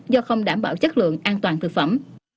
do không đảm bảo chất lượng an toàn thực phẩm